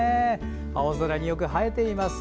青空によく映えています。